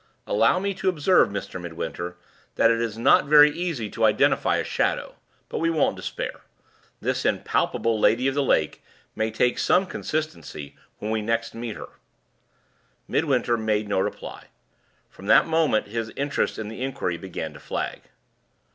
Allow me to observe, Mr. Midwinter, that it is not very easy to identify a shadow; but we won't despair. This impalpable lady of the lake may take some consistency when we next meet with her." Midwinter made no reply. From that moment his interest in the inquiry began to flag.